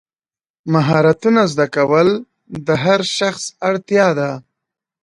مهارتونه زده کول د هر شخص اړتیا ده.